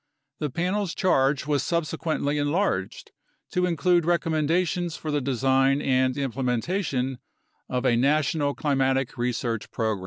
The Panel's charge was subsequently enlarged to include recommendations for the design and implementation of a national climatic research program.